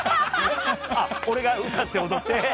俺が歌って踊って？